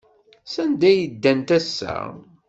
Sanda ay ddant ass-a?